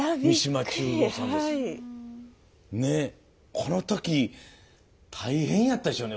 この時大変やったでしょうね。